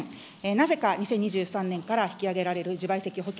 なぜか２０２３年から引き上げられる自賠責保険。